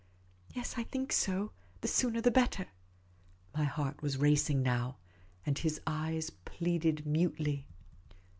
" Yes, I think so ; the sooner the better." My heart was racing now, and his eyes pleaded mutely.